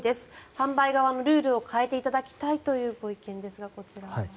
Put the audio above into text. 販売側のルールを変えていただきたいというご意見ですが、こちらは。